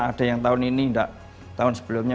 ada yang tahun ini tidak tahun sebelumnya